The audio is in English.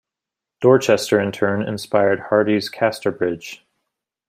Dorchester, in turn, inspired Hardy's Casterbridge.